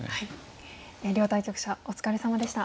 両対局者お疲れさまでした。